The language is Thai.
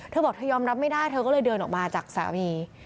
เธอบอกเธอยอมรับไม่ได้เธอก็เลยเดินออกมาจากสามี